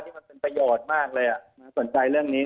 นี่มันเป็นประโยชน์มากเลยน่าสนใจเรื่องนี้